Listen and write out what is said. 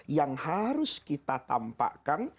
yang harus kita tampakkan